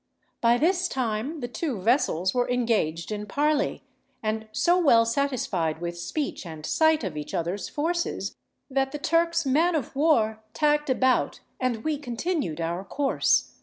By this time the two vessels were engaged in parley, and so well satisfied with speech and sight of each other's forces, that the Turks' man of war tacked about and we continued our course.